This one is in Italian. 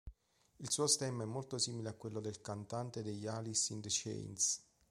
Il suo stemma è molto simile a quello del cantante degli Alice in Chains.